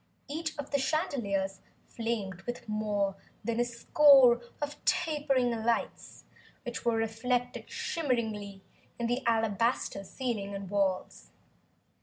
Each of the chandeliers flamed with more than a score of tapering lights which were reflected shimmeringly in the alabaster ceiling and walls.